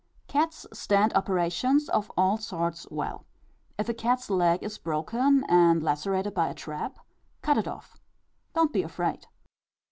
Cats stand operations of all sorts well. If a cat's leg is broken and lacerated by a trap, cut it off. Don't be afraid.